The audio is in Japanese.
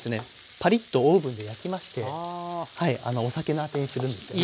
パリッとオーブンで焼きましてお酒のあてにするんですよね。